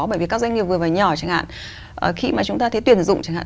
bởi vì các doanh nghiệp vừa và nhỏ chẳng hạn khi mà chúng ta thấy tuyển dụng chẳng hạn